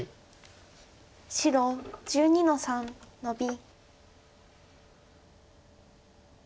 白１２の三ノビ。